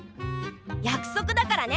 約束だからね！